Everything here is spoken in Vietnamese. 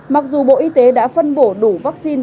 mặc dù bộ y tế đã phân bổ đủ vaccine